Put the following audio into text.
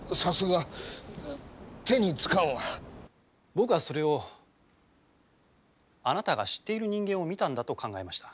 僕はそれをあなたが知っている人間を見たんだと考えました。